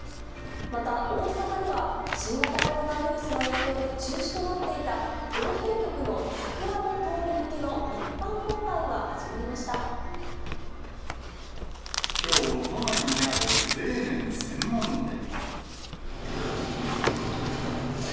また、大阪では、新型コロナウイルスの影響で中止となっていた造幣局の桜の通り抜きょう、都内にある冷麺専門店。